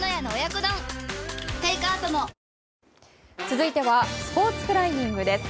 続いてはスポーツクライミングです。